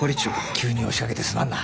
急に押しかけてすまんな。